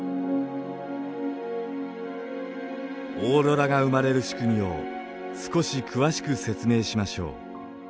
オーロラが生まれる仕組みを少し詳しく説明しましょう。